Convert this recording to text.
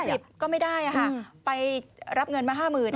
อาจจะสิบสามสิบก็ไม่ได้ไปรับเงินมาห้ามืน